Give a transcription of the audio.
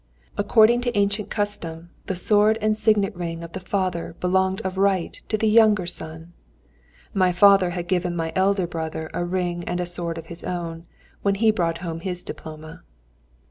According to ancient custom, the sword and signet ring of the father belonged of right to the younger son; my father had given my elder brother a ring and sword of his own when he brought home his diploma.